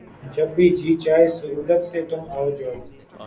جب بھی جی چاہے سہولت سے تُم آؤ جاؤ